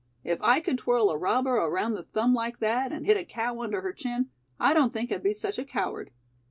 If I could twirl a robber around the thumb like that and hit a cow under her chin, I don't think I'd be such a coward."